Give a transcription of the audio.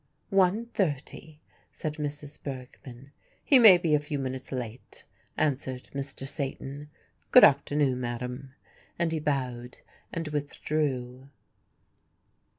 "One thirty," said Mrs. Bergmann. "He may be a few minutes late," answered Mr. Satan. "Good afternoon, madam," and he bowed and withdrew.